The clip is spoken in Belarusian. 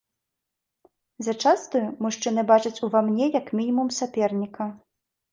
Зачастую мужчыны бачаць у ва мне як мінімум саперніка.